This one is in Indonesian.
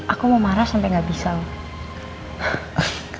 aku mau marah sampai gak bisa loh